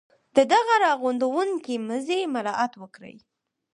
د دغه را غونډوونکي مزي مراعات وکړي.